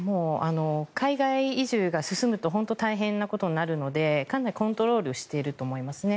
海外移住が進むと本当に大変なことになるのでかなりコントロールしていると思いますね。